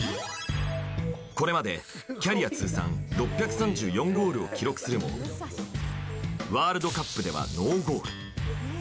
これまでキャリア通算６３４ゴールを記録するもワールドカップではノーゴール。